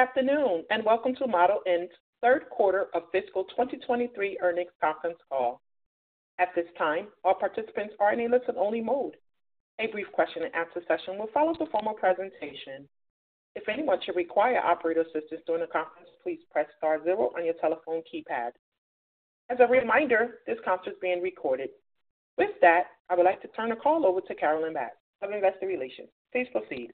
Good afternoon, and welcome to Model N's third quarter of fiscal 2023 earnings conference call. At this time, all participants are in a listen-only mode. A brief question-and-answer session will follow the formal presentation. If anyone should require operator assistance during the conference, please press star zero on your telephone keypad. As a reminder, this conference is being recorded. With that, I would like to turn the call over to Carolyn Bass of Investor Relations. Please proceed.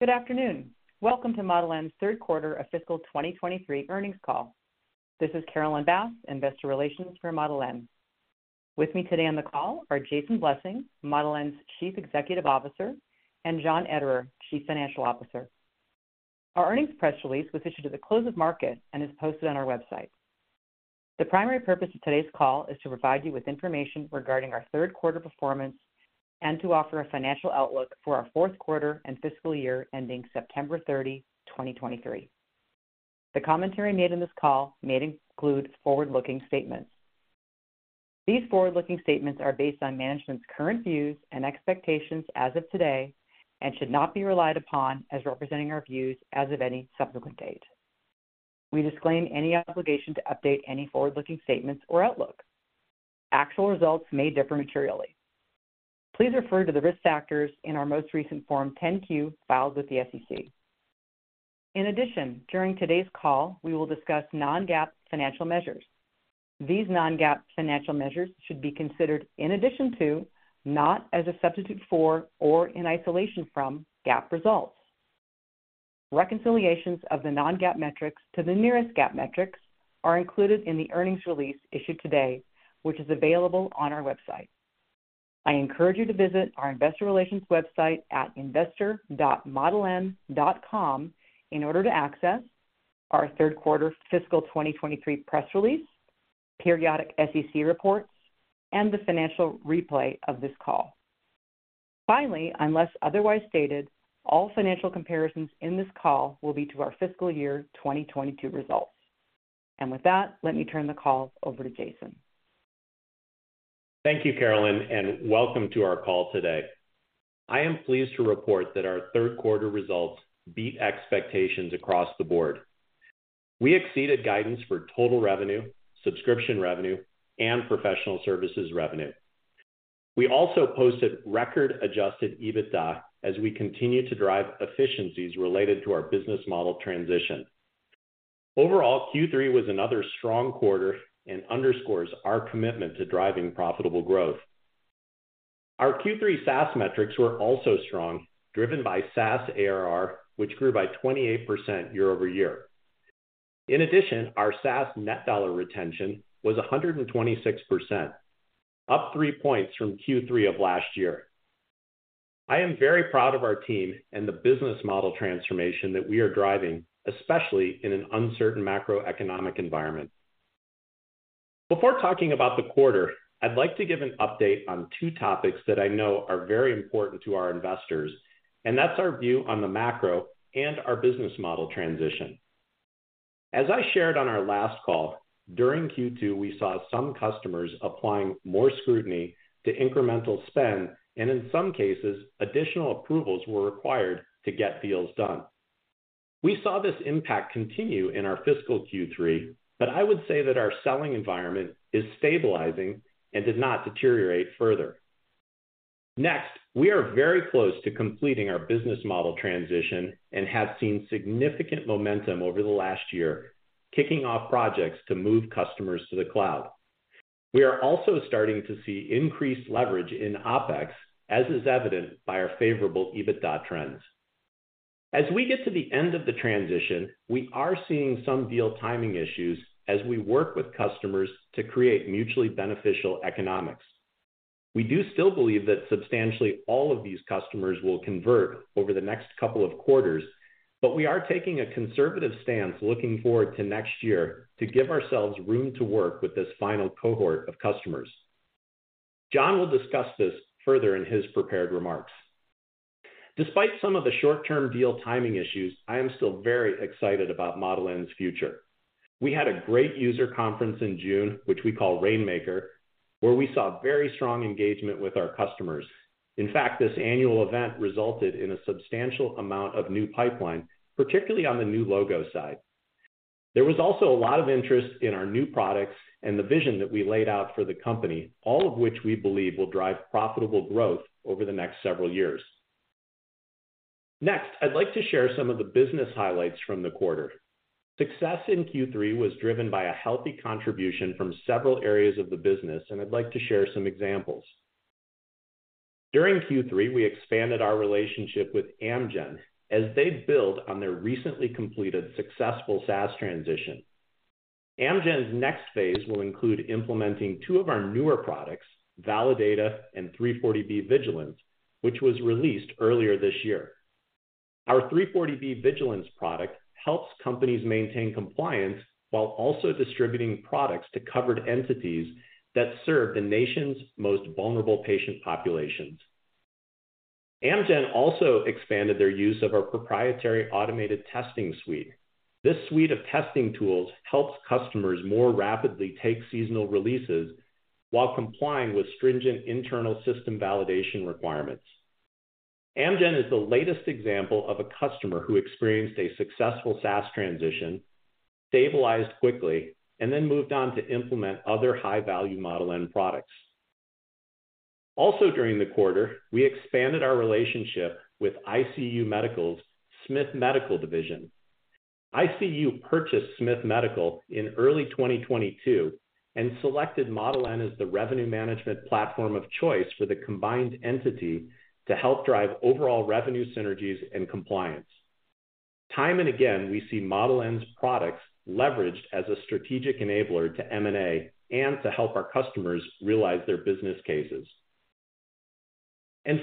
Good afternoon. Welcome to Model N's Q3 of fiscal 2023 earnings call. This is Carolyn Bass, Investor Relations for Model N. With me today on the call are Jason Blessing, Model N's Chief Executive Officer, and John Ederer, Chief Financial Officer. Our earnings press release was issued at the close of market and is posted on our website. The primary purpose of today's call is to provide you with information regarding our Q3 performance and to offer a financial outlook for our Q4 and fiscal year ending September 30, 2023. The commentary made in this call may include forward-looking statements. These forward-looking statements are based on management's current views and expectations as of today and should not be relied upon as representing our views as of any subsequent date. We disclaim any obligation to update any forward-looking statements or outlook. Actual results may differ materially. Please refer to the risk factors in our most recent Form 10-Q filed with the SEC. During today's call, we will discuss non-GAAP financial measures. These non-GAAP financial measures should be considered in addition to, not as a substitute for or in isolation from, GAAP results. Reconciliations of the non-GAAP metrics to the nearest GAAP metrics are included in the earnings release issued today, which is available on our website. I encourage you to visit our investor relations website at investor.modeln.com in order to access our Q3 fiscal 2023 press release, periodic SEC reports, and the financial replay of this call. Unless otherwise stated, all financial comparisons in this call will be to our fiscal year 2022 results. With that, let me turn the call over to Jason. Thank you, Carolyn, and welcome to our call today. I am pleased to report that our Q3 results beat expectations across the board. We exceeded guidance for total revenue, subscription revenue, and professional services revenue. We also posted record adjusted EBITDA as we continue to drive efficiencies related to our business model transition. Overall, Q3 was another strong quarter and underscores our commitment to driving profitable growth. Our Q3 SaaS metrics were also strong, driven by SaaS ARR, which grew by 28% year-over-year. In addition, our SaaS net dollar retention was 126%, up three points from Q3 of last year. I am very proud of our team and the business model transformation that we are driving, especially in an uncertain macroeconomic environment. Before talking about the quarter, I'd like to give an update on two topics that I know are very important to our investors, and that's our view on the macro and our business model transition. As I shared on our last call, during Q2, we saw some customers applying more scrutiny to incremental spend, and in some cases, additional approvals were required to get deals done. We saw this impact continue in our fiscal Q3, but I would say that our selling environment is stabilizing and did not deteriorate further. Next, we are very close to completing our business model transition and have seen significant momentum over the last year, kicking off projects to move customers to the cloud. We are also starting to see increased leverage in OpEx, as is evident by our favorable EBITDA trends. As we get to the end of the transition, we are seeing some deal timing issues as we work with customers to create mutually beneficial economics. We do still believe that substantially all of these customers will convert over the next couple of quarters, but we are taking a conservative stance looking forward to next year to give ourselves room to work with this final cohort of customers. John will discuss this further in his prepared remarks. Despite some of the short-term deal timing issues, I am still very excited about Model N's future. We had a great user conference in June, which we call Rainmaker, where we saw very strong engagement with our customers. In fact, this annual event resulted in a substantial amount of new pipeline, particularly on the new logo side. There was also a lot of interest in our new products and the vision that we laid out for the company, all of which we believe will drive profitable growth over the next several years. Next, I'd like to share some of the business highlights from the quarter. Success in Q3 was driven by a healthy contribution from several areas of the business, and I'd like to share some examples. During Q3, we expanded our relationship with Amgen as they build on their recently completed successful SaaS transition. Amgen's next phase will include implementing two of our newer products, Validata and 340B Vigilance, which was released earlier this year. Our 340B Vigilance product helps companies maintain compliance while also distributing products to covered entities that serve the nation's most vulnerable patient populations. Amgen also expanded their use of our proprietary automated testing suite. This suite of testing tools helps customers more rapidly take seasonal releases while complying with stringent internal system validation requirements. Amgen is the latest example of a customer who experienced a successful SaaS transition, stabilized quickly, and then moved on to implement other high-value Model N products. Also, during the quarter, we expanded our relationship with ICU Medical's Smiths Medical Division. ICU purchased Smiths Medical in early 2022 and selected Model N as the revenue management platform of choice for the combined entity to help drive overall revenue synergies and compliance. Time and again, we see Model N's products leveraged as a strategic enabler to M&A and to help our customers realize their business cases.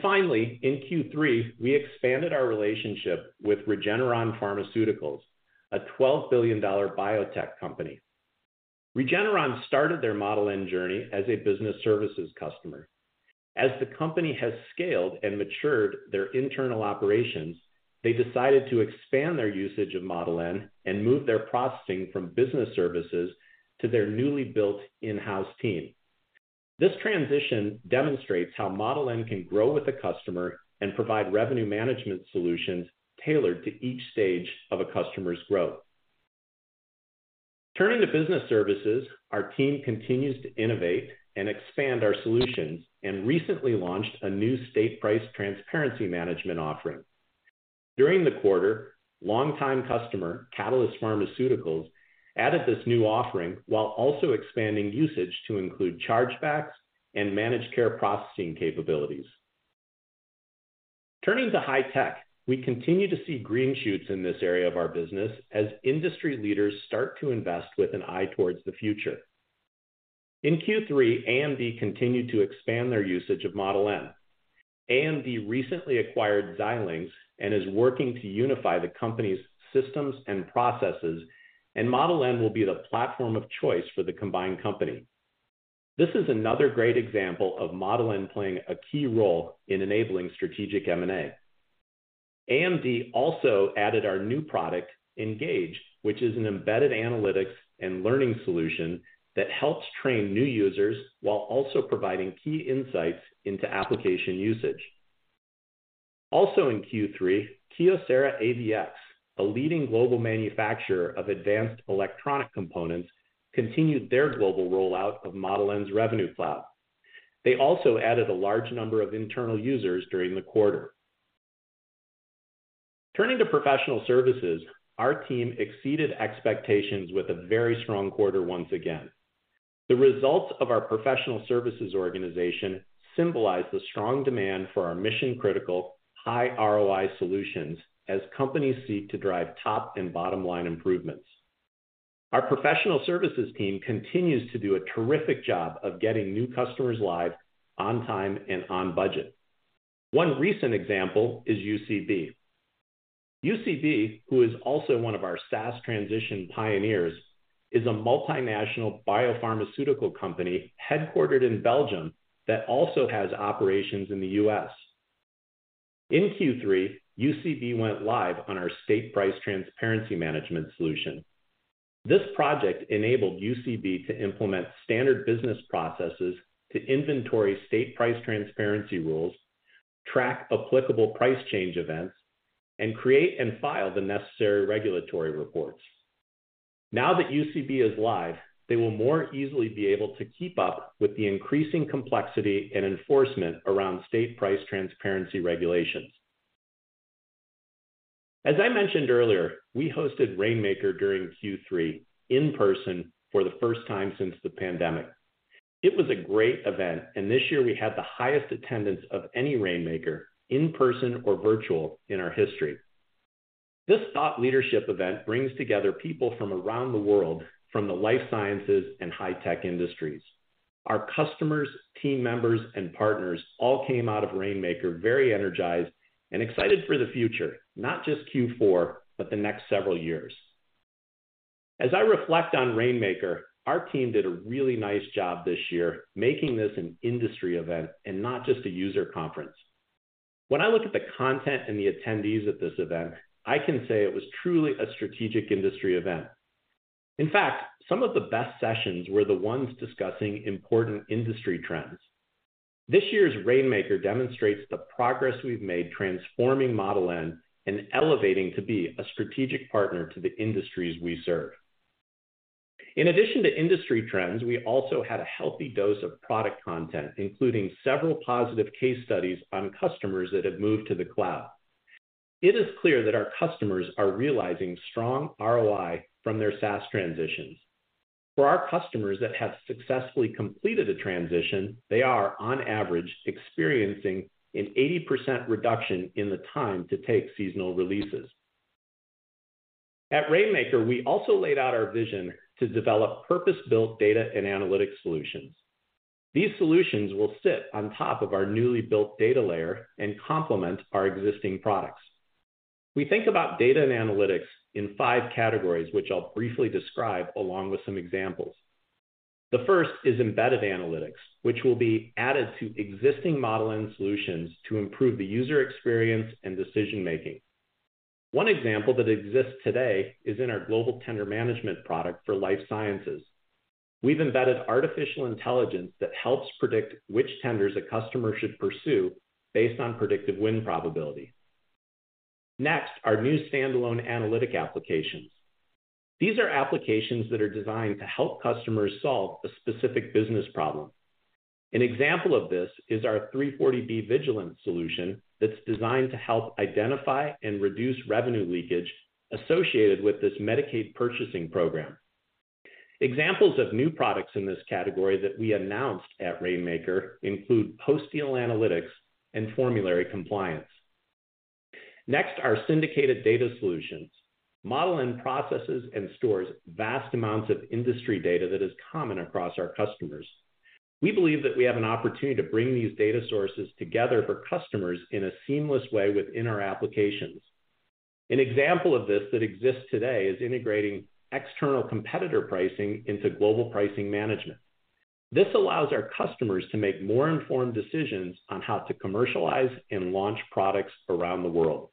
Finally, in Q3, we expanded our relationship with Regeneron Pharmaceuticals, a $12 billion biotech company. Regeneron started their Model N journey as a business services customer. As the company has scaled and matured their internal operations, they decided to expand their usage of Model N and move their processing from business services to their newly built in-house team. This transition demonstrates how Model N can grow with the customer and provide revenue management solutions tailored to each stage of a customer's growth. Turning to business services, our team continues to innovate and expand our solutions and recently launched a new State Price Transparency Management offering. During the quarter, longtime customer, Catalyst Pharmaceuticals, added this new offering while also expanding usage to include chargebacks and managed care processing capabilities. Turning to high tech, we continue to see green shoots in this area of our business as industry leaders start to invest with an eye towards the future. In Q3, AMD continued to expand their usage of Model N. AMD recently acquired Xilinx and is working to unify the company's systems and processes, and Model N will be the platform of choice for the combined company. This is another great example of Model N playing a key role in enabling strategic M&A. AMD also added our new product, Engage, which is an embedded analytics and learning solution that helps train new users while also providing key insights into application usage. Also in Q3, KYOCERA AVX, a leading global manufacturer of advanced electronic components, continued their global rollout of Model N's Revenue Cloud. They also added a large number of internal users during the quarter. Turning to professional services, our team exceeded expectations with a very strong quarter once again. The results of our professional services organization symbolize the strong demand for our mission-critical, high ROI solutions as companies seek to drive top and bottom line improvements. Our professional services team continues to do a terrific job of getting new customers live on time and on budget. One recent example is UCB. UCB, who is also one of our SaaS transition pioneers, is a multinational biopharmaceutical company, headquartered in Belgium, that also has operations in the US. In Q3, UCB went live on our State Price Transparency Management solution. This project enabled UCB to implement standard business processes to inventory state price transparency rules, track applicable price change events, and create and file the necessary regulatory reports. Now that UCB is live, they will more easily be able to keep up with the increasing complexity and enforcement around state price transparency regulations. As I mentioned earlier, we hosted Rainmaker during Q3 in person for the first time since the pandemic. It was a great event. This year we had the highest attendance of any Rainmaker, in person or virtual, in our history. This thought leadership event brings together people from around the world from the life sciences and high tech industries. Our customers, team members, and partners all came out of Rainmaker very energized and excited for the future, not just Q4, but the next several years. As I reflect on Rainmaker, our team did a really nice job this year making this an industry event and not just a user conference. When I look at the content and the attendees at this event, I can say it was truly a strategic industry event. In fact, some of the best sessions were the ones discussing important industry trends. This year's Rainmaker demonstrates the progress we've made transforming Model N and elevating to be a strategic partner to the industries we serve. In addition to industry trends, we also had a healthy dose of product content, including several positive case studies on customers that have moved to the cloud. It is clear that our customers are realizing strong ROI from their SaaS transitions. For our customers that have successfully completed a transition, they are, on average, experiencing an 80% reduction in the time to take seasonal releases. At Rainmaker, we also laid out our vision to develop purpose-built data and analytics solutions. These solutions will sit on top of our newly built data layer and complement our existing products. We think about data and analytics in five categories, which I'll briefly describe along with some examples. The first is embedded analytics, which will be added to existing Model N solutions to improve the user experience and decision-making. One example that exists today is in our Global Tender Management product for life sciences. We've embedded artificial intelligence that helps predict which tenders a customer should pursue based on predictive win probability. Next, our new standalone analytic applications. These are applications that are designed to help customers solve a specific business problem. An example of this is our 340B Vigilance solution, that's designed to help identify and reduce revenue leakage associated with this Medicaid purchasing program. Examples of new products in this category that we announced at Rainmaker include post-deal analytics and Formulary Compliance. Next, our syndicated data solutions. Model N processes and stores vast amounts of industry data that is common across our customers. We believe that we have an opportunity to bring these data sources together for customers in a seamless way within our applications. An example of this that exists today is integrating external competitor pricing into Global Pricing Management. This allows our customers to make more informed decisions on how to commercialize and launch products around the world.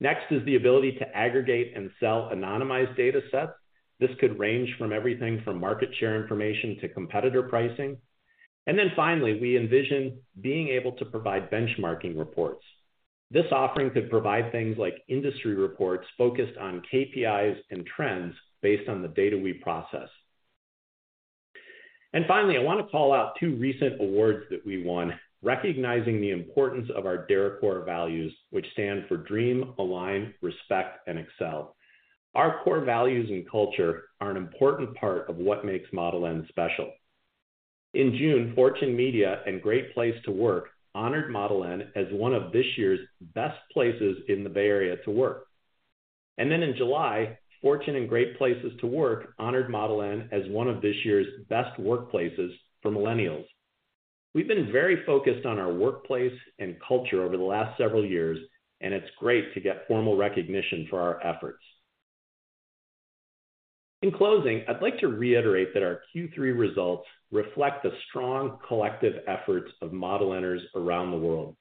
Next is the ability to aggregate and sell anonymized data sets. This could range from everything from market share information to competitor pricing. Finally, we envision being able to provide benchmarking reports. This offering could provide things like industry reports focused on KPIs and trends based on the data we process. Finally, I want to call out two recent awards that we won, recognizing the importance of our DARE core values, which stand for Dream, Align, Respect, and Excel. Our core values and culture are an important part of what makes Model N special. In June, Fortune Media and Great Place to Work honored Model N as one of this year's best places in the Bay Area to work. Then in July, Fortune and Great Place to Work honored Model N as one of this year's best workplaces for millennials. We've been very focused on our workplace and culture over the last several years, and it's great to get formal recognition for our efforts. In closing, I'd like to reiterate that our Q3 results reflect the strong collective efforts of Model Ners around the world.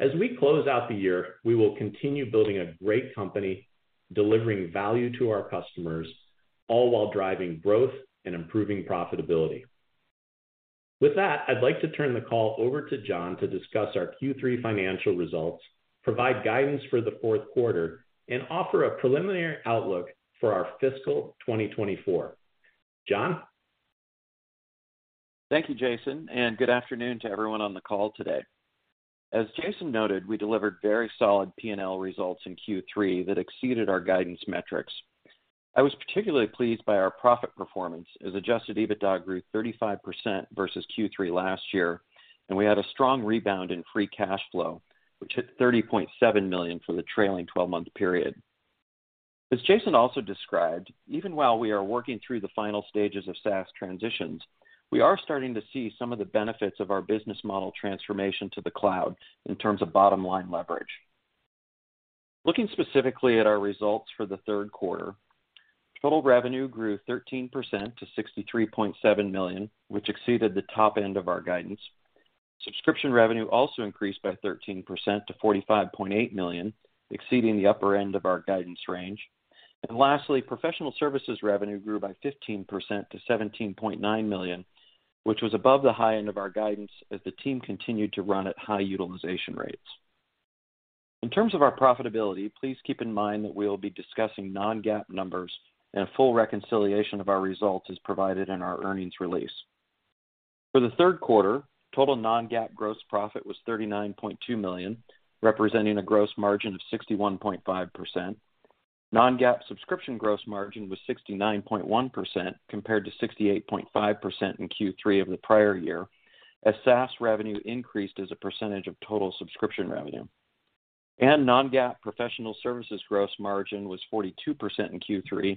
As we close out the year, we will continue building a great company, delivering value to our customers, all while driving growth and improving profitability. With that, I'd like to turn the call over to John to discuss our Q3 financial results, provide guidance for the Q4, and offer a preliminary outlook for our fiscal 2024. John? Thank you, Jason, and good afternoon to everyone on the call today. As Jason noted, we delivered very solid P&L results in Q3 that exceeded our guidance metrics. I was particularly pleased by our profit performance, as adjusted EBITDA grew 35% versus Q3 last year, and we had a strong rebound in free cash flow, which hit $30.7 million for the trailing twelve-month period. As Jason also described, even while we are working through the final stages of SaaS transitions, we are starting to see some of the benefits of our business model transformation to the cloud in terms of bottom-line leverage. Looking specifically at our results for the Q3, total revenue grew 13% to $63.7 million, which exceeded the top end of our guidance. Subscription revenue also increased by 13% to $45.8 million, exceeding the upper end of our guidance range. Lastly, professional services revenue grew by 15% to $17.9 million, which was above the high end of our guidance as the team continued to run at high utilization rates. In terms of our profitability, please keep in mind that we will be discussing non-GAAP numbers, and a full reconciliation of our results is provided in our earnings release. For the Q3, total non-GAAP gross profit was $39.2 million, representing a gross margin of 61.5%. Non-GAAP subscription gross margin was 69.1%, compared to 68.5% in Q3 of the prior year, as SaaS revenue increased as a percentage of total subscription revenue. non-GAAP professional services gross margin was 42% in Q3,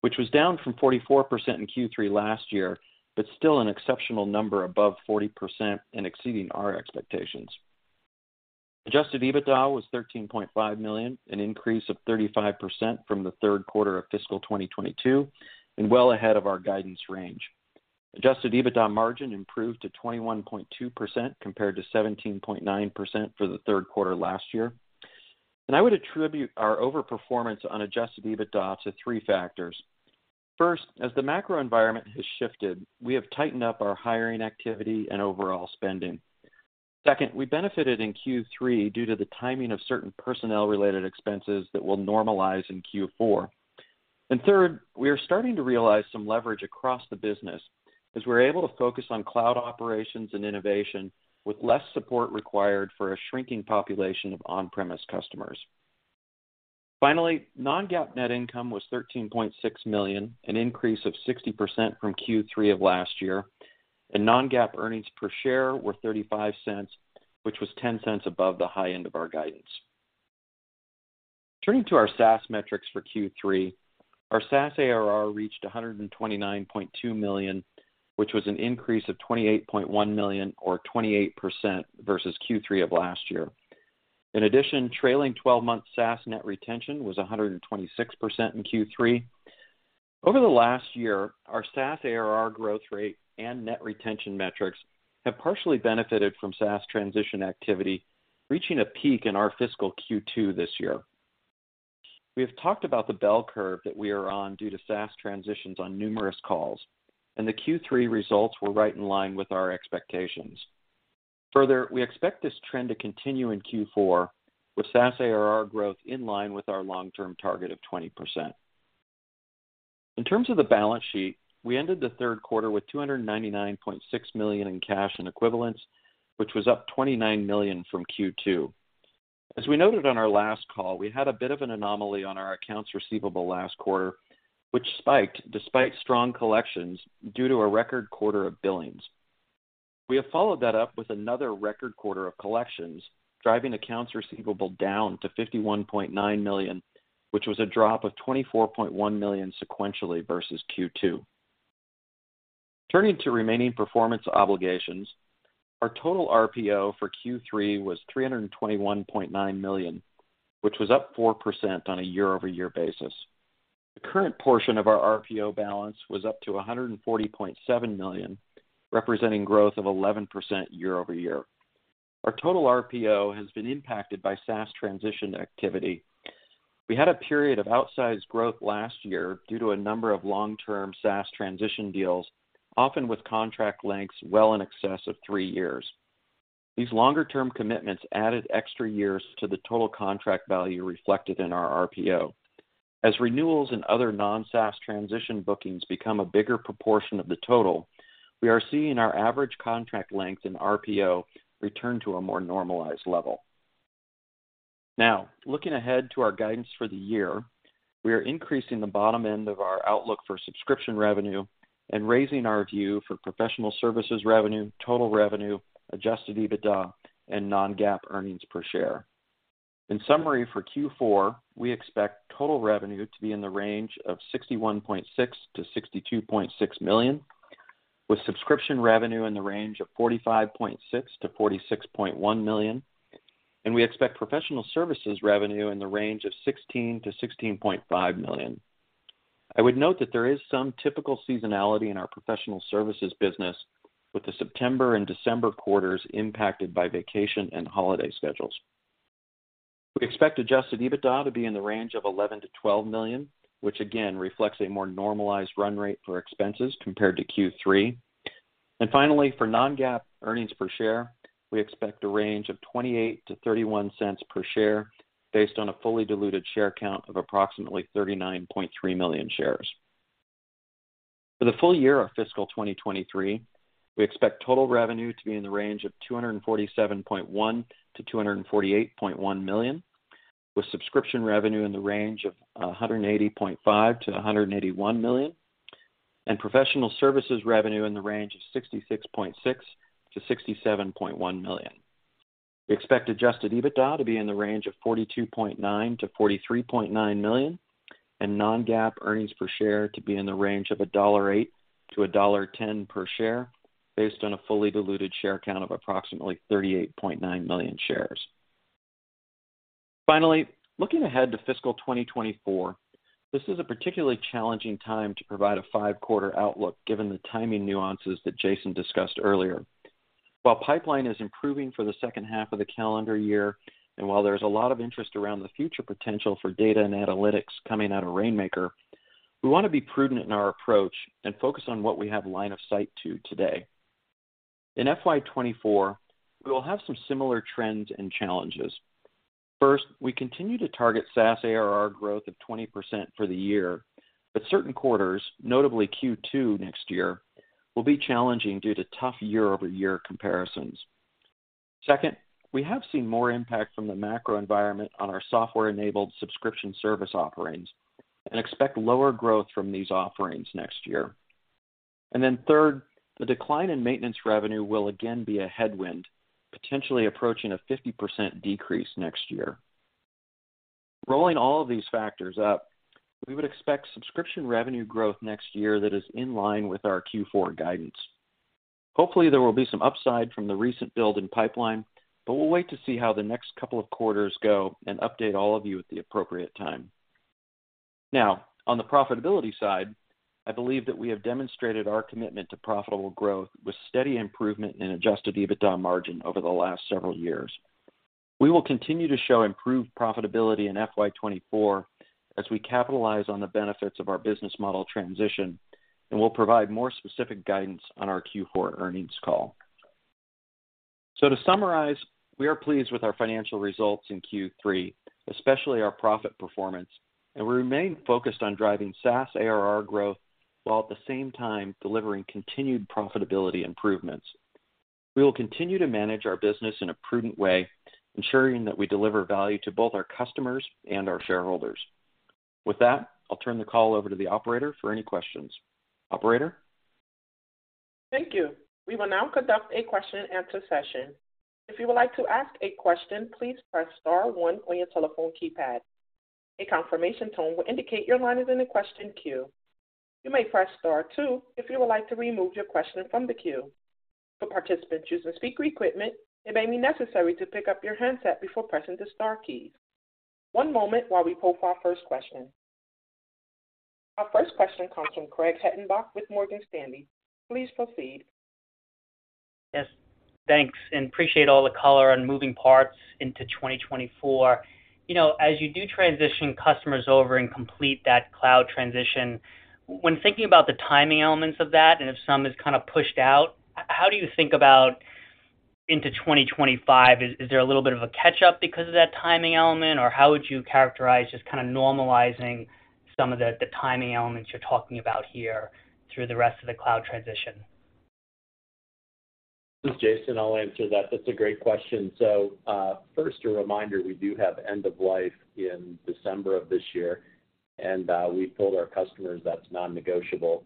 which was down from 44% in Q3 last year, but still an exceptional number above 40% and exceeding our expectations. Adjusted EBITDA was $13.5 million, an increase of 35% from the Q3 of fiscal 2022, and well ahead of our guidance range. Adjusted EBITDA margin improved to 21.2%, compared to 17.9% for the Q3 last year. I would attribute our overperformance on adjusted EBITDA to three factors. First, as the macro environment has shifted, we have tightened up our hiring activity and overall spending. Second, we benefited in Q3 due to the timing of certain personnel-related expenses that will normalize in Q4. Third, we are starting to realize some leverage across the business as we're able to focus on cloud operations and innovation, with less support required for a shrinking population of on-premise customers. Finally, non-GAAP net income was $13.6 million, an increase of 60% from Q3 of last year, and non-GAAP earnings per share were $0.35, which was $0.10 above the high end of our guidance. Turning to our SaaS metrics for Q3, our SaaS ARR reached $129.2 million, which was an increase of $28.1 million, or 28%, versus Q3 of last year. In addition, trailing twelve-month SaaS net retention was 126% in Q3. Over the last year, our SaaS ARR growth rate and net retention metrics have partially benefited from SaaS transition activity, reaching a peak in our fiscal Q2 this year. We have talked about the bell curve that we are on due to SaaS transitions on numerous calls, and the Q3 results were right in line with our expectations. Further, we expect this trend to continue in Q4, with SaaS ARR growth in line with our long-term target of 20%. In terms of the balance sheet, we ended the Q3 with $299.6 million in cash and equivalents, which was up $29 million from Q2. As we noted on our last call, we had a bit of an anomaly on our accounts receivable last quarter, which spiked despite strong collections due to a record quarter of billings. We have followed that up with another record quarter of collections, driving accounts receivable down to $51.9 million, which was a drop of $24.1 million sequentially versus Q2. Turning to remaining performance obligations, our total RPO for Q3 was $321.9 million, which was up 4% on a year-over-year basis. The current portion of our RPO balance was up to $140.7 million, representing growth of 11% year-over-year. Our total RPO has been impacted by SaaS transition activity. We had a period of outsized growth last year due to a number of long-term SaaS transition deals, often with contract lengths well in excess of three years. These longer-term commitments added extra years to the total contract value reflected in our RPO. As renewals and other non-SaaS transition bookings become a bigger proportion of the total, we are seeing our average contract length in RPO return to a more normalized level. Now, looking ahead to our guidance for the year, we are increasing the bottom end of our outlook for subscription revenue and raising our view for professional services revenue, total revenue, adjusted EBITDA, and non-GAAP earnings per share. In summary, for Q4, we expect total revenue to be in the range of $61.6 million-$62.6 million, with subscription revenue in the range of $45.6 million-$46.1 million, and we expect professional services revenue in the range of $16 million-$16.5 million. I would note that there is some typical seasonality in our professional services business, with the September and December quarters impacted by vacation and holiday schedules. We expect adjusted EBITDA to be in the range of $11 million-$12 million, which again reflects a more normalized run rate for expenses compared to Q3. Finally, for non-GAAP earnings per share, we expect a range of $0.28-$0.31 per share, based on a fully diluted share count of approximately 39.3 million shares. For the full year of fiscal 2023, we expect total revenue to be in the range of $247.1 million-$248.1 million, with subscription revenue in the range of $180.5 million-$181 million, and professional services revenue in the range of $66.6 million-$67.1 million. We expect adjusted EBITDA to be in the range of $42.9 million-$43.9 million, and non-GAAP earnings per share to be in the range of $1.08-$1.10 per share, based on a fully diluted share count of approximately 38.9 million shares. Looking ahead to fiscal 2024, this is a particularly challenging time to provide a five quarter outlook, given the timing nuances that Jason discussed earlier. While pipeline is improving for the second half of the calendar year, and while there is a lot of interest around the future potential for data and analytics coming out of Rainmaker, we want to be prudent in our approach and focus on what we have line of sight to today. In FY 2024, we will have some similar trends and challenges. First, we continue to target SaaS ARR growth of 20% for the year, but certain quarters, notably Q2 next year, will be challenging due to tough year-over-year comparisons. Second, we have seen more impact from the macro environment on our software-enabled subscription service offerings and expect lower growth from these offerings next year. Then third, the decline in maintenance revenue will again be a headwind, potentially approaching a 50% decrease next year. Rolling all of these factors up, we would expect subscription revenue growth next year that is in line with our Q4 guidance. Hopefully, there will be some upside from the recent build in pipeline, but we'll wait to see how the next couple of quarters go and update all of you at the appropriate time. On the profitability side, I believe that we have demonstrated our commitment to profitable growth with steady improvement in adjusted EBITDA margin over the last several years. We will continue to show improved profitability in FY 2024 as we capitalize on the benefits of our business model transition, and we'll provide more specific guidance on our Q4 earnings call. To summarize, we are pleased with our financial results in Q3, especially our profit performance, and we remain focused on driving SaaS ARR growth while at the same time delivering continued profitability improvements. We will continue to manage our business in a prudent way, ensuring that we deliver value to both our customers and our shareholders. With that, I'll turn the call over to the operator for any questions. Operator? Thank you. We will now conduct a question-and-answer session. If you would like to ask a question, please press star one on your telephone keypad. A confirmation tone will indicate your line is in the question queue. You may press star two if you would like to remove your question from the queue. For participants using speaker equipment, it may be necessary to pick up your handset before pressing the star key. One moment while we pull for our first question. Our first question comes from Craig Hettenbach with Morgan Stanley. Please proceed. Yes, thanks, and appreciate all the color on moving parts into 2024. You know, as you do transition customers over and complete that cloud transition, when thinking about the timing elements of that, and if some is kind of pushed out, how do you think about into 2025? Is there a little bit of a catch-up because of that timing element? Or how would you characterize just kind of normalizing some of the timing elements you're talking about here through the rest of the cloud transition? This is Jason. I'll answer that. That's a great question. First, a reminder, we do have end of life in December of this year, we've told our customers that's non-negotiable.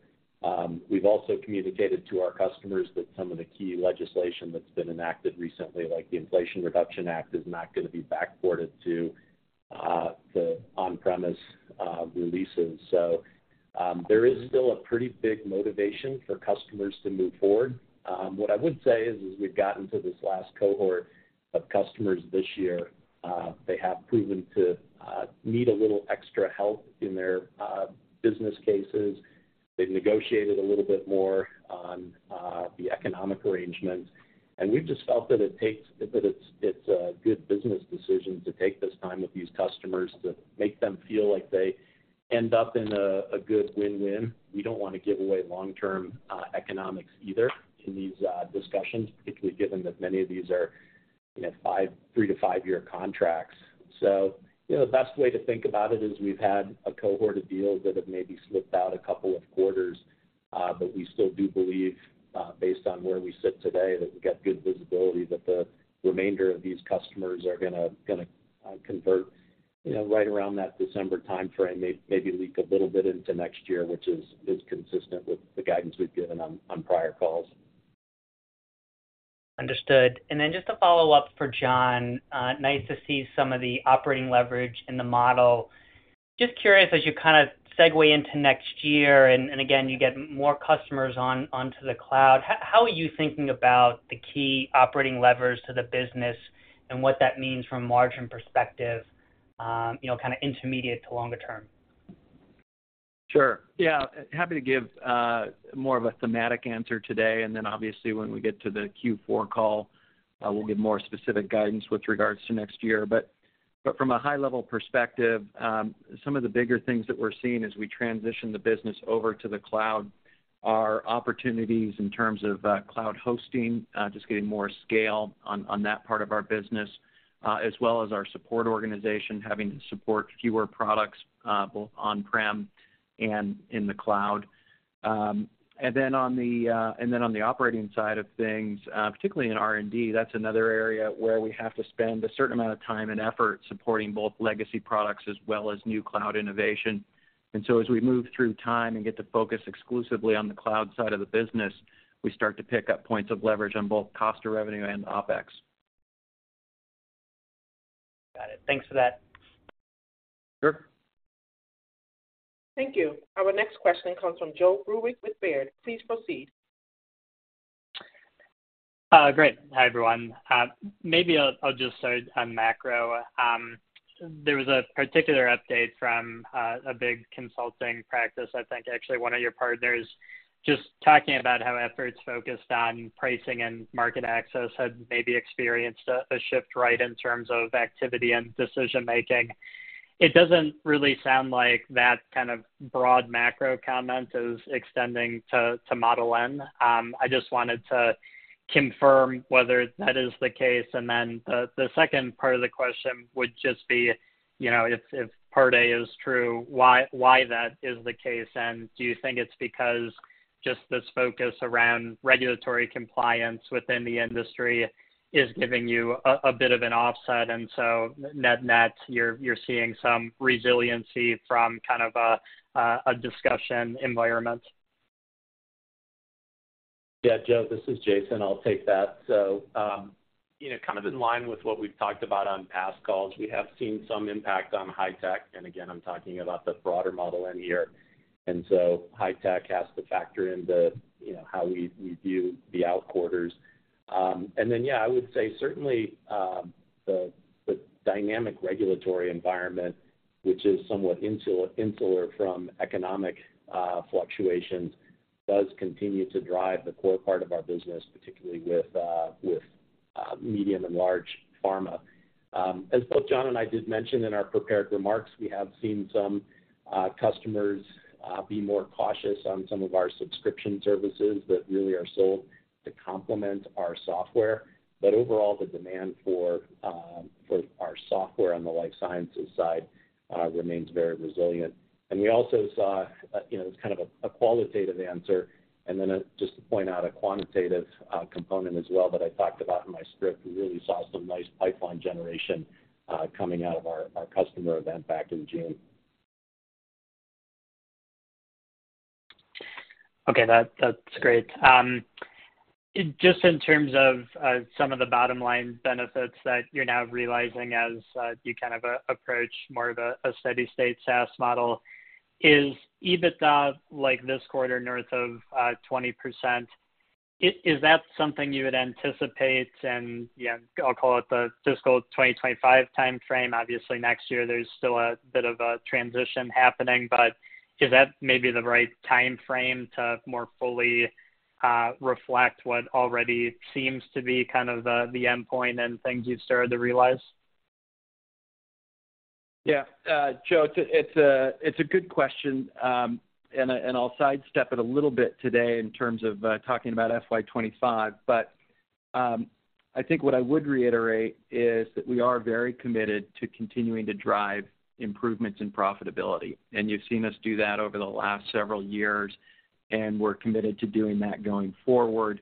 We've also communicated to our customers that some of the key legislation that's been enacted recently, like the Inflation Reduction Act, is not gonna be backported to the on-premise releases. There is still a pretty big motivation for customers to move forward. What I would say is, as we've gotten to this last cohort of customers this year, they have proven to need a little extra help in their business cases. They've negotiated a little bit more on the economic arrangements. We've just felt that it's a good business decision to take this time with these customers, to make them feel like they end up in a good win-win. We don't want to give away long-term economics either in these discussions, particularly given that many of these are, you know, three to five year contracts. You know, the best way to think about it is we've had a cohort of deals that have maybe slipped out a couple of quarters, but we still do believe, based on where we sit today, that we've got good visibility that the remainder of these customers are gonna convert, you know, right around that December timeframe. Maybe leak a little bit into next year, which is consistent with the guidance we've given on prior calls. Understood. Then just a follow-up for John. Nice to see some of the operating leverage in the model. Just curious, as you kind of segue into next year and, and again, you get more customers onto the cloud, how are you thinking about the key operating levers to the business and what that means from a margin perspective, you know, kind of intermediate to longer term? Sure. Yeah, happy to give more of a thematic answer today, and then obviously, when we get to the Q4 call, we'll give more specific guidance with regards to next year. From a high-level perspective, some of the bigger things that we're seeing as we transition the business over to the cloud are opportunities in terms of cloud hosting, just getting more scale on that part of our business, as well as our support organization, having to support fewer products, both on-prem and in the cloud. Then on the operating side of things, particularly in R&D, that's another area where we have to spend a certain amount of time and effort supporting both legacy products as well as new cloud innovation. As we move through time and get to focus exclusively on the cloud side of the business, we start to pick up points of leverage on both cost of revenue and OpEx. Got it. Thanks for that. Sure. Thank you. Our next question comes from Joe Vruwink with Baird. Please proceed. Great. Hi, everyone. Maybe I'll, I'll just start on macro. There was a particular update from a big consulting practice, I think actually one of your partners, just talking about how efforts focused on pricing and market access had maybe experienced a, a shift, right, in terms of activity and decision-making. It doesn't really sound like that kind of broad macro comment is extending to, to Model N. I just wanted to confirm whether that is the case. Then the, the second part of the question would just be, you know, if, if part A is true, why, why that is the case, and do you think it's because just this focus around regulatory compliance within the industry is giving you a, a bit of an offset, and so net net, you're, you're seeing some resiliency from kind of a, a discussion environment? Yeah, Joe, this is Jason. I'll take that. You know, kind of in line with what we've talked about on past calls, we have seen some impact on high tech. Again, I'm talking about the broader Model N here. High tech has to factor into, you know, how we, we view the outquarters. Yeah, I would say certainly, the dynamic regulatory environment, which is somewhat insular, insular from economic fluctuations, does continue to drive the core part of our business, particularly with medium and large pharma. As both John and I did mention in our prepared remarks, we have seen some customers be more cautious on some of our subscription services that really are sold to complement our software. Overall, the demand for, for our software on the life sciences side, remains very resilient. We also saw, you know, it's kind of a, a qualitative answer, then, just to point out a quantitative, component as well that I talked about in my script. We really saw some nice pipeline generation, coming out of our, our customer event back in June. Okay, that, that's great. Just in terms of some of the bottom line benefits that you're now realizing as you kind of approach more of a steady state SaaS model. Is EBITDA, like this quarter, north of 20%? Is that something you would anticipate in, yeah, I'll call it the fiscal 2025 time frame? Obviously, next year there's still a bit of a transition happening, but is that maybe the right time frame to more fully reflect what already seems to be kind of the endpoint and things you've started to realize? Yeah, Joe, it's a, it's a good question. I'll sidestep it a little bit today in terms of talking about FY 2025. I think what I would reiterate is that we are very committed to continuing to drive improvements in profitability, and you've seen us do that over the last several years, and we're committed to doing that going forward.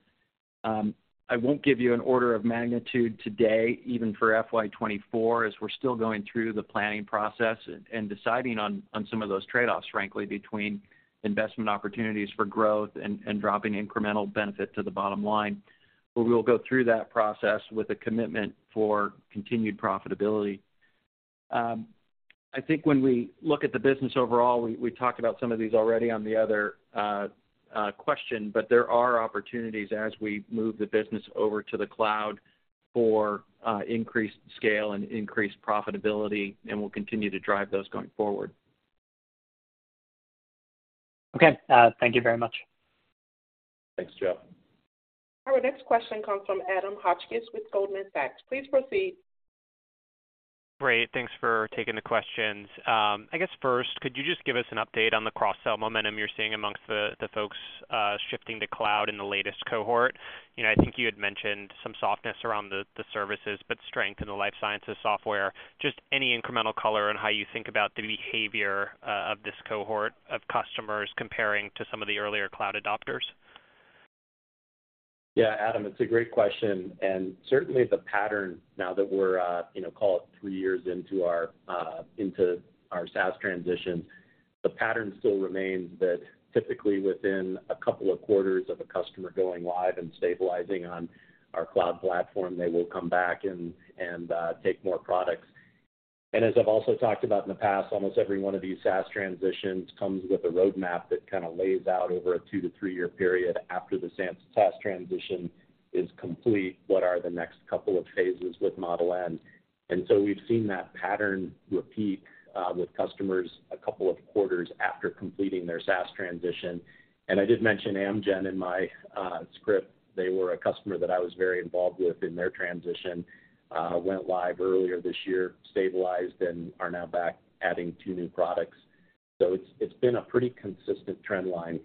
I won't give you an order of magnitude today, even for FY 2024, as we're still going through the planning process and deciding on some of those trade-offs, frankly, between investment opportunities for growth and dropping incremental benefit to the bottom line. We'll go through that process with a commitment for continued profitability. I think when we look at the business overall, we, we talked about some of these already on the other question, but there are opportunities as we move the business over to the cloud for increased scale and increased profitability, and we'll continue to drive those going forward. Okay. thank you very much. Thanks, Joe. Our next question comes from Adam Hotchkiss with Goldman Sachs. Please proceed. Great. Thanks for taking the questions. I guess first, could you just give us an update on the cross-sell momentum you're seeing amongst the, the folks, shifting to cloud in the latest cohort? You know, I think you had mentioned some softness around the, the services, but strength in the life sciences software. Just any incremental color on how you think about the behavior, of this cohort of customers comparing to some of the earlier cloud adopters. Yeah, Adam, it's a great question. Certainly the pattern now that we're, you know, call it three years into our into our SaaS transition, the pattern still remains that typically within a couple of quarters of a customer going live and stabilizing on our cloud platform, they will come back and take more products. As I've also talked about in the past, almost every one of these SaaS transitions comes with a roadmap that kind of lays out over a two to three year period after the SaaS transition is complete, what are the next couple of phases with Model N? We've seen that pattern repeat with customers a couple of quarters after completing their SaaS transition. I did mention Amgen in my script. They were a customer that I was very involved with in their transition, went live earlier this year, stabilized and are now back adding two new products. It's, it's been a pretty consistent trend line,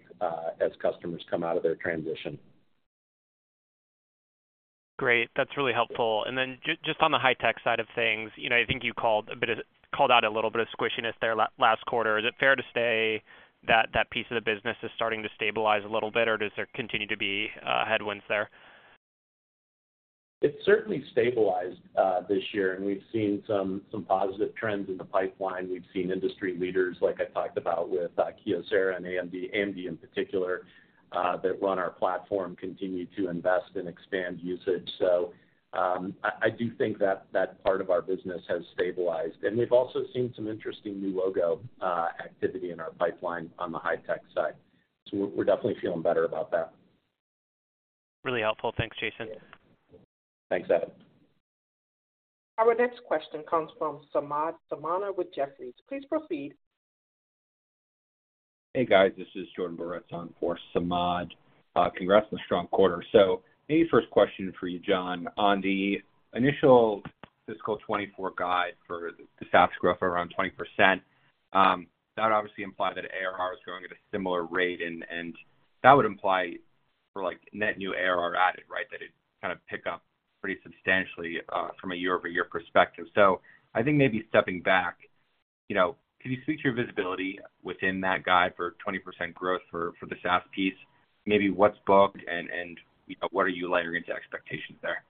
as customers come out of their transition. Great, that's really helpful. just on the high tech side of things, you know, I think you called out a little bit of squishiness there last quarter. Is it fair to say that that piece of the business is starting to stabilize a little bit, or does there continue to be headwinds there? It's certainly stabilized, this year, and we've seen some, some positive trends in the pipeline. We've seen industry leaders, like I talked about with, Kyocera and AMD, AMD in particular, that run our platform, continue to invest and expand usage. I, I do think that that part of our business has stabilized. We've also seen some interesting new logo, activity in our pipeline on the high tech side. We're, we're definitely feeling better about that. Really helpful. Thanks, Jason. Thanks, Adam. Our next question comes from Samad Samana with Jefferies. Please proceed. Hey, guys, this is Jordan Boretz on for Samad. Congrats on the strong quarter. Maybe first question for you, John. On the initial fiscal 2024 guide for the SaaS growth around 20%, that obviously implied that ARR was growing at a similar rate, and, and that would imply for, like, net new ARR added, right? That it kind of pick up pretty substantially, from a year-over-year perspective. I think maybe stepping back, you know, can you speak to your visibility within that guide for 20% growth for, for the SaaS piece? Maybe what's booked and, and, you know, what are you layering into expectations there?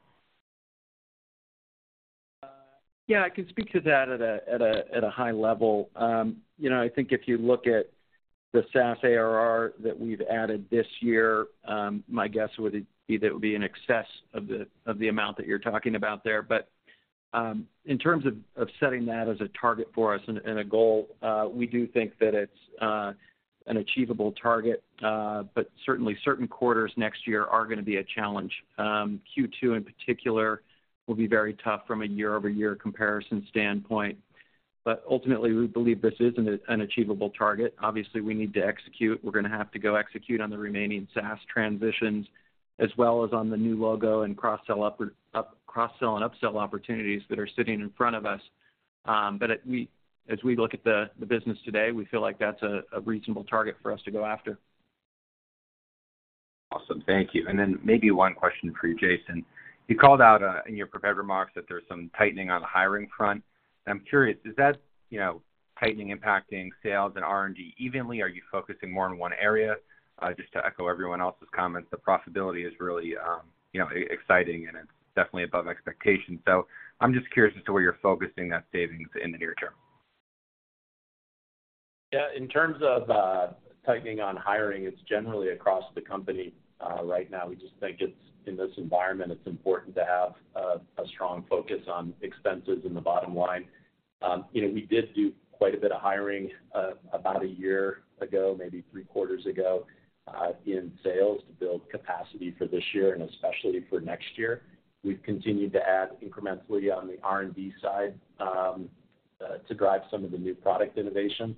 Yeah, I can speak to that at a, at a, at a high level. You know, I think if you look at the SaaS ARR that we've added this year, my guess would be that it would be in excess of the, of the amount that you're talking about there. In terms of, of setting that as a target for us and, and a goal, we do think that it's an achievable target, but certainly certain quarters next year are gonna be a challenge. Q2, in particular, will be very tough from a year-over-year comparison standpoint. Ultimately, we believe this is an, an achievable target. Obviously, we need to execute. We're gonna have to go execute on the remaining SaaS transitions, as well as on the new logo and cross-sell, cross-sell and upsell opportunities that are sitting in front of us. As we, as we look at the, the business today, we feel like that's a, a reasonable target for us to go after. Awesome. Thank you. Then maybe one question for you, Jason. You called out in your prepared remarks that there's some tightening on the hiring front. I'm curious, is that, you know, tightening impacting sales and R&D evenly? Are you focusing more on one area? Just to echo everyone else's comments, the profitability is really, you know, exciting, and it's definitely above expectations. I'm just curious as to where you're focusing that savings in the near term. Yeah, in terms of tightening on hiring, it's generally across the company. Right now, we just think it's, in this environment, it's important to have a strong focus on expenses in the bottom line.... Um, you know, we did do quite a bit of hiring, uh, about a year ago, maybe three quarters ago, uh, in sales to build capacity for this year and especially for next year. We've continued to add incrementally on the R&D side, um, uh, to drive some of the new product innovation.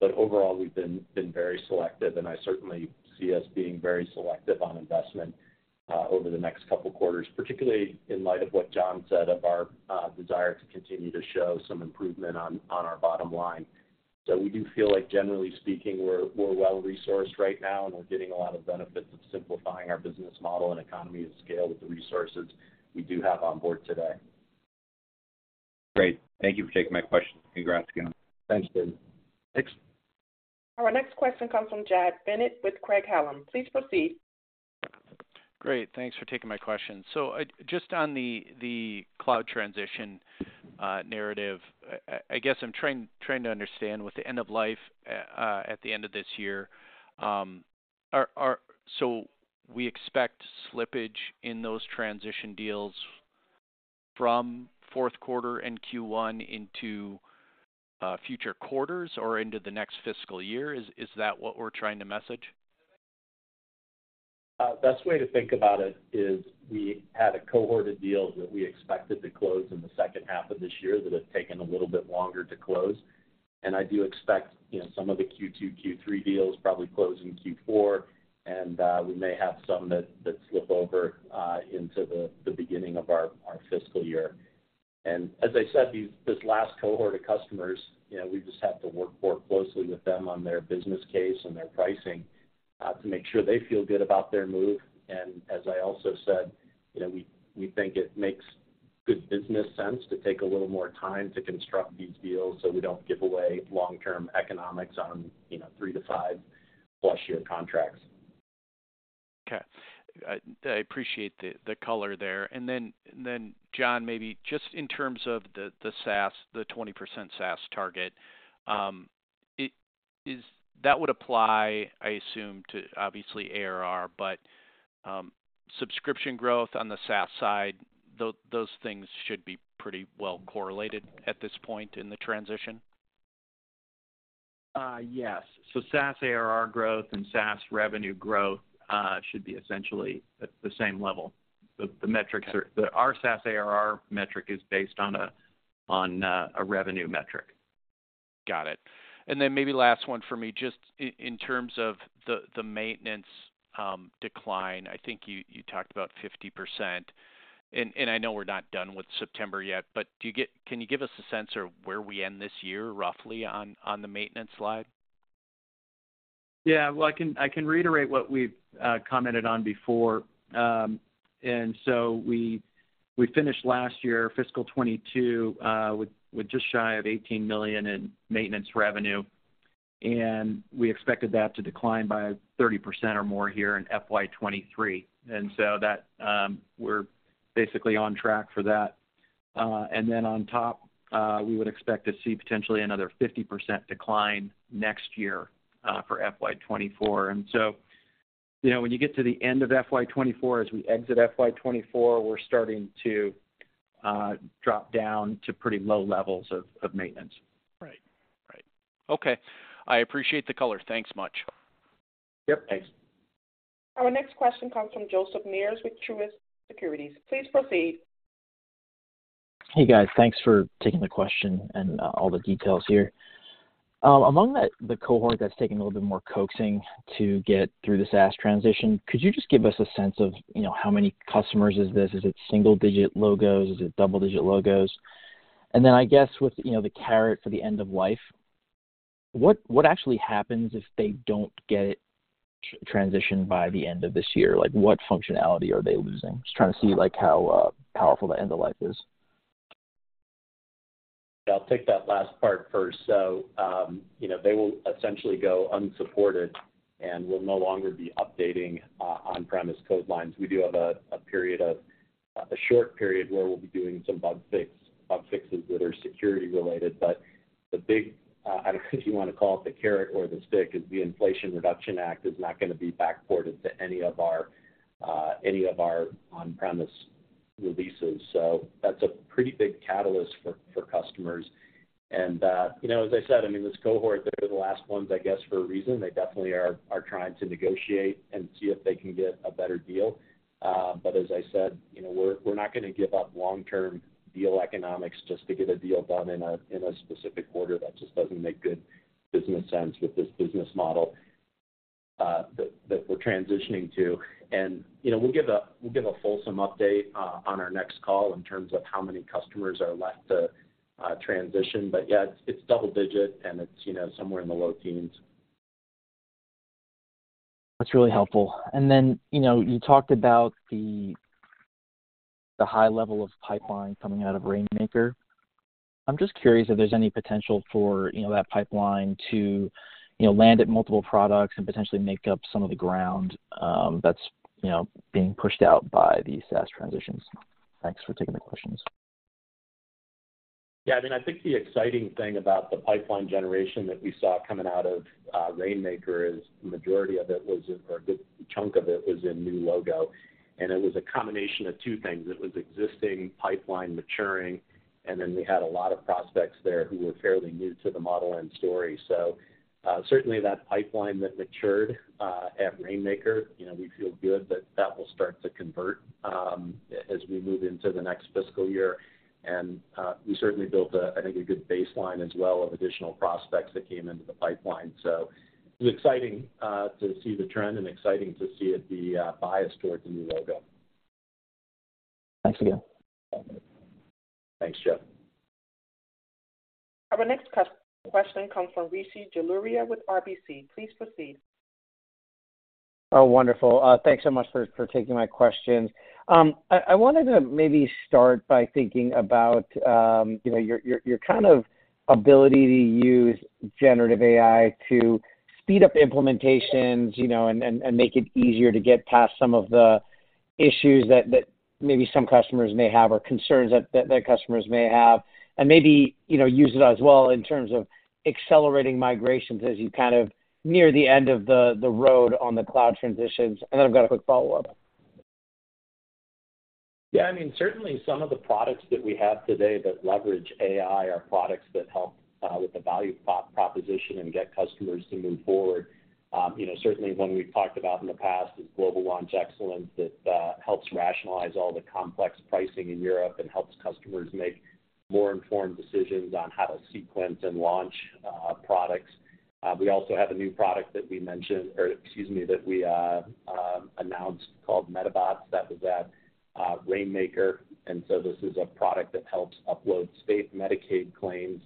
But overall, we've been, been very selective, and I certainly see us being very selective on investment, uh, over the next couple of quarters, particularly in light of what John said of our, uh, desire to continue to show some improvement on, on our bottom line. So we do feel like, generally speaking, we're, we're well-resourced right now, and we're getting a lot of benefits of simplifying our business model and economy of scale with the resources we do have on board today. Great. Thank you for taking my question. Congrats again. Thanks, Jordan. Thanks. Our next question comes from Jack Bennett with Craig-Hallum. Please proceed. Great. Thanks for taking my question. I just on the cloud transition narrative, I guess I'm trying to understand with the end of life at the end of this year, are so we expect slippage in those transition deals from Q4 and Q1 into future quarters or into the next fiscal year? Is that what we're trying to message? Best way to think about it is we had a cohort of deals that we expected to close in the second half of this year that have taken a little bit longer to close. I do expect, you know, some of the Q2, Q3 deals probably close in Q4, we may have some that, that slip over into the, the beginning of our, our fiscal year. As I said, this last cohort of customers, you know, we just have to work more closely with them on their business case and their pricing to make sure they feel good about their move. As I also said, you know, we, we think it makes good business sense to take a little more time to construct these deals so we don't give away long-term economics on, you know, three to five plus year contracts. Okay. I, I appreciate the color there. John, maybe just in terms of the SaaS, the 20% SaaS target, that would apply, I assume, to obviously ARR, but subscription growth on the SaaS side, those things should be pretty well correlated at this point in the transition? Yes. SaaS ARR growth and SaaS revenue growth should be essentially at the same level. The metrics are. Our SaaS ARR metric is based on a revenue metric. Got it. Then maybe last one for me, just in terms of the maintenance decline, I think you talked about 50%, and I know we're not done with September yet, but can you give us a sense of where we end this year, roughly, on the maintenance slide? Yeah. Well, I can, I can reiterate what we've commented on before. We, we finished last year, fiscal 2022, with just shy of $18 million in maintenance revenue, and we expected that to decline by 30% or more here in FY 2023. That, we're basically on track for that. On top, we would expect to see potentially another 50% decline next year for FY 2024. You know, when you get to the end of FY 2024, as we exit FY 2024, we're starting to drop down to pretty low levels of maintenance. Right. Right. Okay, I appreciate the color. Thanks much. Yep. Thanks. Our next question comes from Joseph Meares with Truist Securities. Please proceed. Hey, guys. Thanks for taking the question and all the details here. Among the, the cohort that's taking a little bit more coaxing to get through the SaaS transition, could you just give us a sense of, you know, how many customers is this? Is it single-digit logos? Is it double-digit logos? Then, I guess, with, you know, the carrot for the end of life, what, what actually happens if they don't get transitioned by the end of this year? Like, what functionality are they losing? Just trying to see, like, how powerful the end of life is. I'll take that last part first. You know, they will essentially go unsupported, and we'll no longer be updating on-premise code lines. We do have a short period where we'll be doing some bug fix, bug fixes that are security-related. The big, I don't know if you want to call it the carrot or the stick, is the Inflation Reduction Act is not gonna be backported to any of our any of our on-premise releases. That's a pretty big catalyst for customers. You know, as I said, I mean, this cohort, they're the last ones, I guess, for a reason. They definitely are, are trying to negotiate and see if they can get a better deal. As I said, you know, we're, we're not gonna give up long-term deal economics just to get a deal done in a, in a specific quarter. That just doesn't make good business sense with this business model that, that we're transitioning to. You know, we'll give a, we'll give a fulsome update on our next call in terms of how many customers are left to transition. Yeah, it's double digit, and it's, you know, somewhere in the low teens. That's really helpful. Then, you know, you talked about the, the high level of pipeline coming out of Rainmaker. I'm just curious if there's any potential for, you know, that pipeline to, you know, land at multiple products and potentially make up some of the ground, that's, you know, being pushed out by these SaaS transitions. Thanks for taking the questions. Yeah, I mean, I think the exciting thing about the pipeline generation that we saw coming out of Rainmaker is the majority of it was, or a good chunk of it was in new logo. It was a combination of two things. It was existing pipeline maturing, and then we had a lot of prospects there who were fairly new to the Model N story. Certainly, that pipeline that matured at Rainmaker, you know, we feel good that that will start to convert as we move into the next fiscal year. We certainly built a, I think, a good baseline as well of additional prospects that came into the pipeline. It's exciting to see the trend and exciting to see it the bias towards the new logo. Thanks again. Thanks, Joseph. Our next question comes from Rishi Jaluria with RBC. Please proceed. Oh, wonderful. Thanks so much for, for taking my questions. I, I wanted to maybe start by thinking about, you know, your, your, your kind of ability to use generative AI to speed up implementations, you know, and, and, and make it easier to get past some of the issues that, that maybe some customers may have or concerns that, that customers may have, and maybe, you know, use it as well in terms of accelerating migrations as you kind of near the end of the, the road on the cloud transitions. Then I've got a quick follow-up. Yeah, I mean, certainly some of the products that we have today that leverage AI are products that help with the value prop proposition and get customers to move forward. You know, certainly one we've talked about in the past is Global Launch Excellence, that helps rationalize all the complex pricing in Europe and helps customers make more informed decisions on how to sequence and launch products. We also have a new product that we mentioned, or excuse me, that we announced called MetaBots. That was at Rainmaker. This is a product that helps upload state Medicaid claims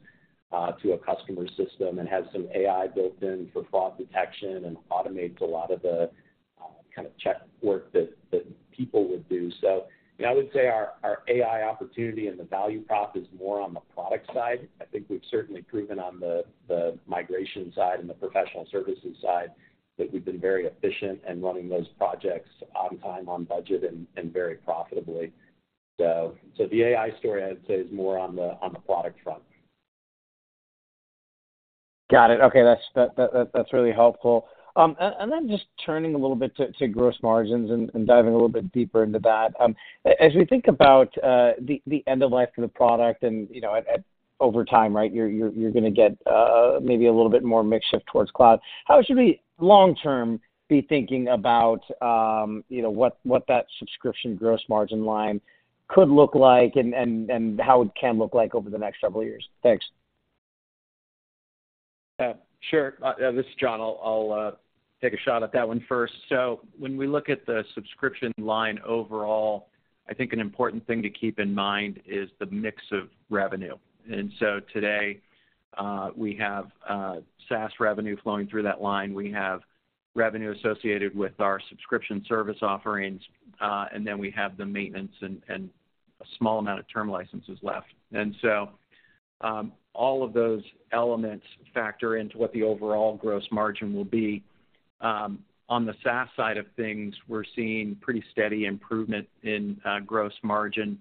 to a customer system and has some AI built in for fraud detection and automates a lot of the kind of check work that people would do. I would say our, our AI opportunity and the value prop is more on the product side. I think we've certainly proven on the, the migration side and the professional services side, that we've been very efficient in running those projects on time, on budget and, and very profitably. The AI story, I'd say, is more on the, on the product front. Got it. Okay, that's, that, that, that's really helpful. Then just turning a little bit to, to gross margins and, and diving a little bit deeper into that. As we think about, the, the end of life of the product and, you know, at, over time, right, you're, you're, you're gonna get, maybe a little bit more mix shift towards cloud. How should we, long term, be thinking about, you know, what, what that subscription gross margin line could look like and, and, and how it can look like over the next several years? Thanks. Yeah, sure. This is John. I'll, I'll take a shot at that one first. When we look at the subscription line overall, I think an important thing to keep in mind is the mix of revenue. Today, we have SaaS revenue flowing through that line. We have revenue associated with our subscription service offerings, and then we have the maintenance and, and a small amount of term licenses left. All of those elements factor into what the overall gross margin will be. On the SaaS side of things, we're seeing pretty steady improvement in gross margin,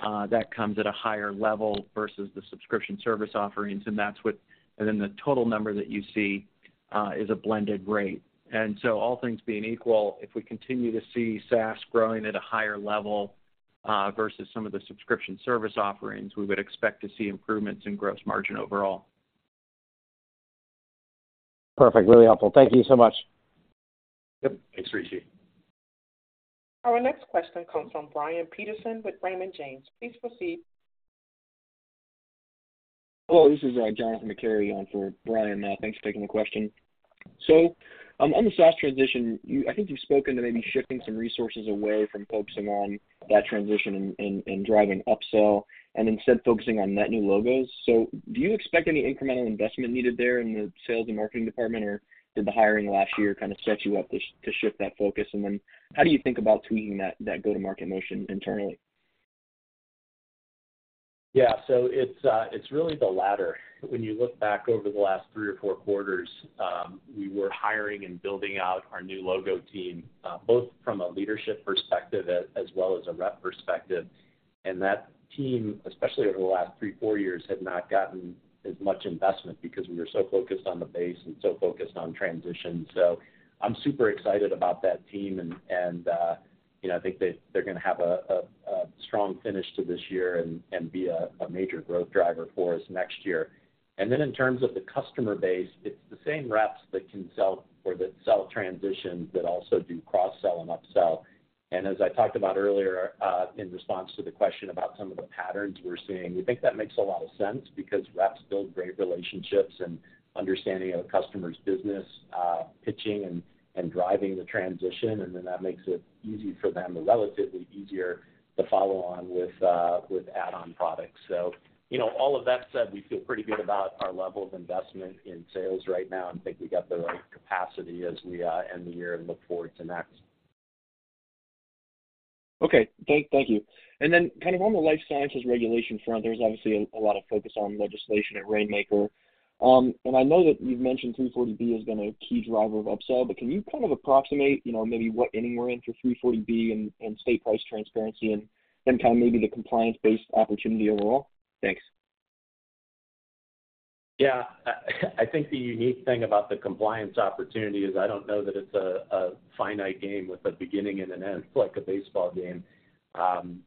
that comes at a higher level versus the subscription service offerings, and then the total number that you see, is a blended rate. All things being equal, if we continue to see SaaS growing at a higher level, versus some of the subscription service offerings, we would expect to see improvements in gross margin overall. Perfect. Really helpful. Thank you so much. Yep. Thanks, Rishi. Our next question comes from Brian Peterson with Raymond James. Please proceed. Hello, this is Jonathan McCary on for Brian. Thanks for taking the question. On the SaaS transition, I think you've spoken to maybe shifting some resources away from focusing on that transition and, and, and driving upsell and instead focusing on net new logos. Do you expect any incremental investment needed there in the sales and marketing department, or did the hiring last year kind of set you up to, to shift that focus? How do you think about tweaking that, that go-to-market motion internally? Yeah. It's really the latter. When you look back over the last three or four quarters, we were hiring and building out our new logo team, both from a leadership perspective as well as a rep perspective. That team, especially over the last three, four years, had not gotten as much investment because we were so focused on the base and so focused on transition. I'm super excited about that team and, and, you know, I think they're gonna have a strong finish to this year and, and be a major growth driver for us next year. Then in terms of the customer base, it's the same reps that can sell or that sell transitions that also do cross-sell and upsell. As I talked about earlier, in response to the question about some of the patterns we're seeing, we think that makes a lot of sense because reps build great relationships and understanding of the customer's business, pitching and, and driving the transition, and then that makes it easy for them, or relatively easier, to follow on with add-on products. You know, all of that said, we feel pretty good about our level of investment in sales right now and think we got the right capacity as we end the year and look forward to next. Okay, thank, thank you. Then kind of on the life sciences regulation front, there's obviously a lot of focus on legislation at Rainmaker. I know that you've mentioned 340B has been a key driver of upsell, can you kind of approximate, you know, maybe what inning we're in for 340B and State Price Transparency and kind of maybe the compliance-based opportunity overall? Thanks. Yeah, I think the unique thing about the compliance opportunity is I don't know that it's a, a finite game with a beginning and an end, like a baseball game.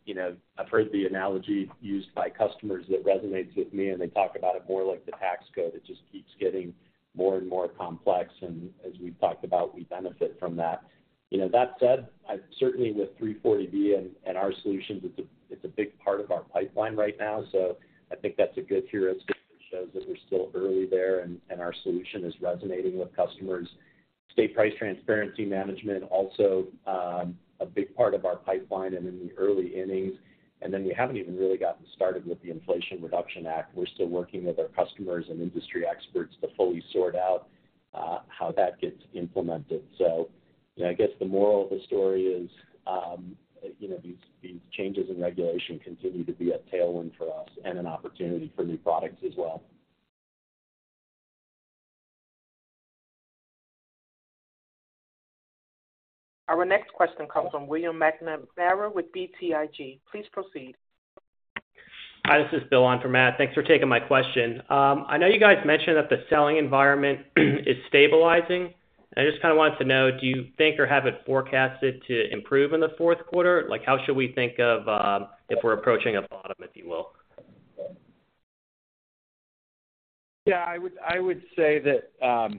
You know, I've heard the analogy used by customers that resonates with me, and they talk about it more like the tax code. It just keeps getting more and more complex, and as we've talked about, we benefit from that. You know, that said, certainly with 340B and, and our solutions, it's a, it's a big part of our pipeline right now. I think that's a good heuristic that shows that we're still early there, and, and our solution is resonating with customers. State Price Transparency Management also, a big part of our pipeline and in the early innings, and then we haven't even really gotten started with the Inflation Reduction Act. We're still working with our customers and industry experts to fully sort out, how that gets implemented. I guess the moral of the story is, you know, these, these changes in regulation continue to be a tailwind for us and an opportunity for new products as well. Our next question comes from William McNamara with BTIG. Please proceed. Hi, this is Bill on for Matt. Thanks for taking my question. I know you guys mentioned that the selling environment is stabilizing. I just kind of wanted to know, do you think or have it forecasted to improve in the Q4? Like, how should we think of, if we're approaching a bottom, if you will? Yeah, I would, I would say that,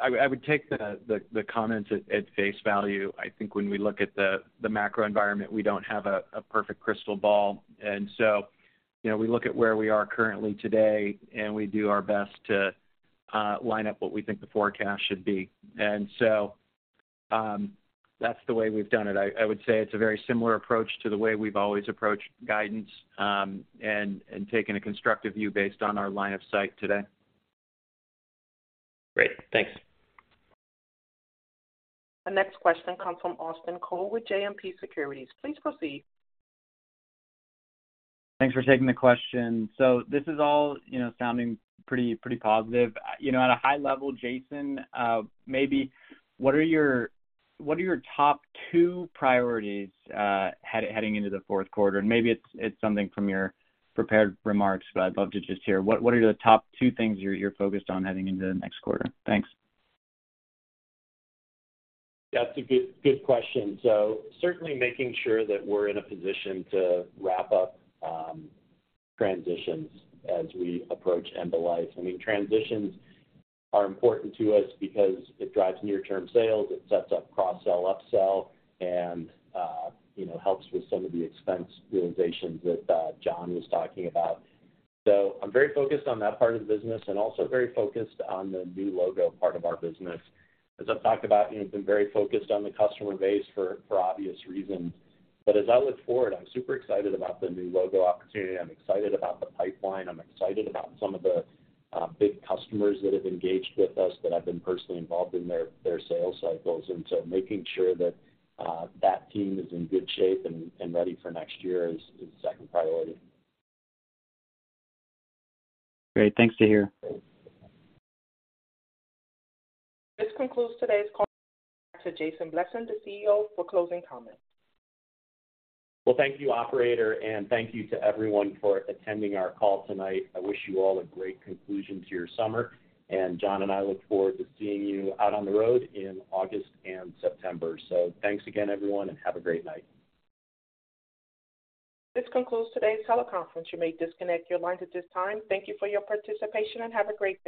I would, I would take the, the, the comments at, at face value. I think when we look at the, the macro environment, we don't have a, a perfect crystal ball. You know, we look at where we are currently today, and we do our best to, line up what we think the forecast should be. That's the way we've done it. I, I would say it's a very similar approach to the way we've always approached guidance, and, and taking a constructive view based on our line of sight today. Great. Thanks. The next question comes from Austin Cole with JMP Securities. Please proceed. Thanks for taking the question. This is all, you know, sounding pretty, pretty positive. You know, at a high level, Jason, maybe what are your, what are your top two priorities heading into the Q4? Maybe it's, it's something from your prepared remarks, but I'd love to just hear. What, what are the top two things you're, you're focused on heading into the next quarter? Thanks. That's a good, good question. Certainly making sure that we're in a position to wrap up transitions as we approach end of life. I mean, transitions are important to us because it drives near-term sales, it sets up cross-sell, upsell, and, you know, helps with some of the expense realizations that John was talking about. I'm very focused on that part of the business and also very focused on the new logo part of our business. As I've talked about, you know, I've been very focused on the customer base for, for obvious reasons. As I look forward, I'm super excited about the new logo opportunity. I'm excited about the pipeline. I'm excited about some of the big customers that have engaged with us, that I've been personally involved in their, their sales cycles. Making sure that that team is in good shape and, and ready for next year is, is second priority. Great, thanks to hear. This concludes today's call. Back to Jason Blessing, the CEO, for closing comments. Well, thank you, operator, thank you to everyone for attending our call tonight. I wish you all a great conclusion to your summer, and John and I look forward to seeing you out on the road in August and September. Thanks again, everyone, and have a great night. This concludes today's teleconference. You may disconnect your lines at this time. Thank you for your participation, and have a great day.